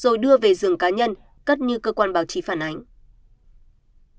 rồi đưa về rừng cá nhân cất như cơ quan báo chí phản ánh